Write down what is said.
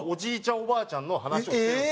おばあちゃんの話をしてるんですよ。